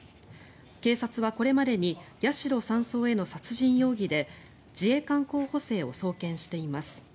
警察は、これまでに八代３曹への殺人容疑で自衛官候補生を送検しています。